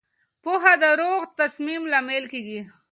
پوهه د روغ تصمیم لامل کېږي.